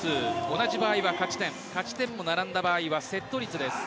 同じ場合は勝ち点勝ち点も並んだ場合はセット率です。